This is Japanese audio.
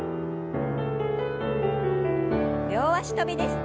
両脚跳びです。